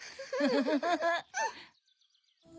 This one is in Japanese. フフフ。